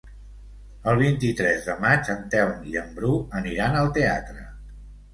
El vint-i-tres de maig en Telm i en Bru aniran al teatre.